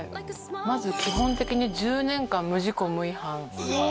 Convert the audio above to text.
まず基本的に１０年間無事故無違反。